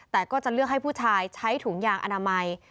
แต่ก็จะเลือกให้ผู้ชายใช้ถุงยางอนามัย